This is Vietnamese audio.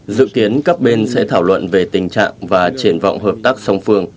dự kiến các bên sẽ thảo luận về tình trạng và triển vọng hợp tác song phương